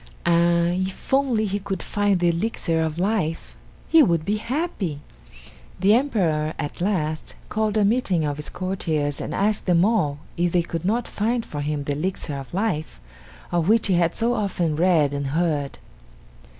Ah if only he could find the Elixir of Life, he would be happy. The Emperor at last called a meeting of his courtiers and asked them all if they could not find for him the Elixir of Life of which he had so often read and heard.